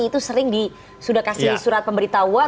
itu sering sudah kasih surat pemberitahuan